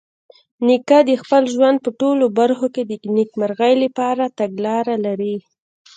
نیکه د خپل ژوند په ټولو برخو کې د نیکمرغۍ لپاره تګلاره لري.